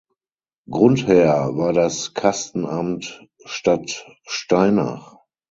Grundherr war das Kastenamt Stadtsteinach.